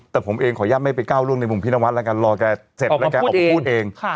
แต่ผมเองขออนุญาตไม่ไปก้าวร่วงในมุมพี่นวัดแล้วกันรอแกเสร็จแล้วแกออกมาพูดเอง